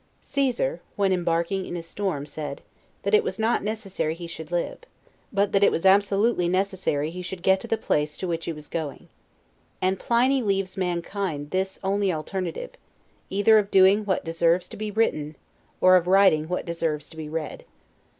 Caesar, when embarking in a storm, said, that it was not necessary he should live; but that it was absolutely necessary he should get to the place to which he was going. And Pliny leaves mankind this only alternative; either of doing what deserves to be written, or of writing what deserves to be read.